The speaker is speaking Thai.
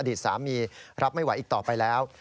ดีตสามีรับไม่ไหวอีกต่อไปแล้ว